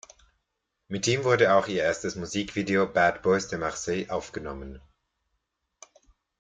Mit ihm wurde auch ihr erstes Musikvideo "Bad Boys de Marseille" aufgenommen.